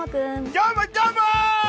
どーも、どーも！